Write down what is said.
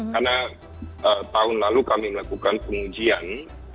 karena tahun lalu kami melakukan pengujian